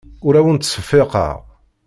Ur awent-ttseffiqeɣ.